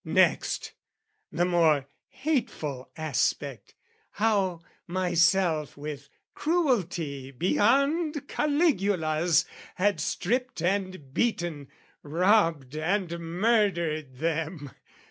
Next, the more hateful aspect, how myself With cruelty beyond Caligula's Had stripped and beaten, robbed and murdered them.